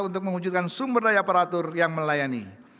untuk mengunjungkan sumber daya peratur yang melayani